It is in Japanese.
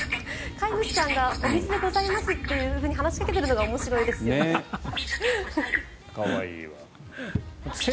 飼い主さんがお水でございますと話しかけているのが可愛いわ。